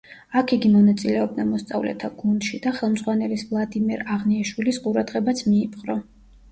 აქ იგი მონაწილეობდა მოსწავლეთა გუნდში და ხელმძღვანელის ვლადიმერ აღნიაშვილის ყურადღებაც მიიპყრო.